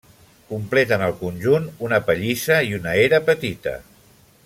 Completen el conjunt una pallissa i una era petita.